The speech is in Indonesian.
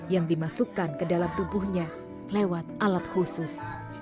yang dimasukkan ke dalam tubuhnya lewat alat khusus